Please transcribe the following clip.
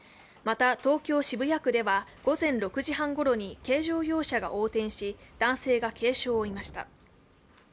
また東京・渋谷区では午前６時半ごろに軽乗用車が横転し男性が軽傷を負いました。